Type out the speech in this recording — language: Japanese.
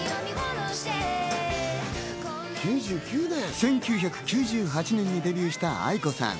１９９８年にデビューしたａｉｋｏさん。